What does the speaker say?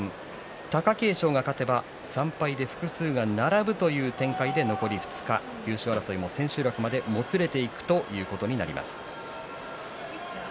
貴景勝が勝てば３敗で複数が並ぶという展開で残り２日、優勝争い千秋楽までもつれていくということになります。